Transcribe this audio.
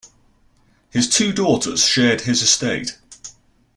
His two daughters shared his estate.